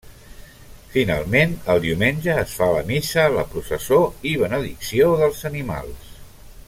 Finalment el diumenge es fa la missa, la processó i benedicció dels animals.